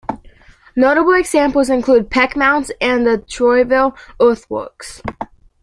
Notable examples include Peck Mounds, and the Troyville Earthworks.